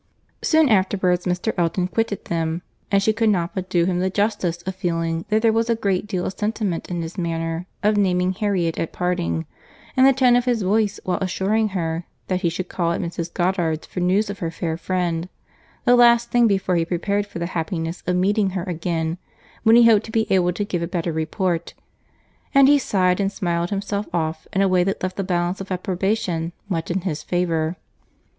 Soon afterwards Mr. Elton quitted them, and she could not but do him the justice of feeling that there was a great deal of sentiment in his manner of naming Harriet at parting; in the tone of his voice while assuring her that he should call at Mrs. Goddard's for news of her fair friend, the last thing before he prepared for the happiness of meeting her again, when he hoped to be able to give a better report; and he sighed and smiled himself off in a way that left the balance of approbation much in his favour.